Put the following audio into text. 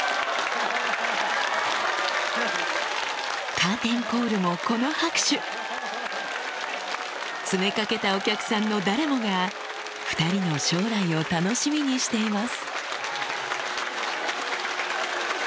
カーテンコールもこの拍手詰め掛けたお客さんの誰もが２人の将来を楽しみにしています